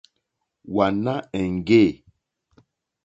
Wàná èŋɡê.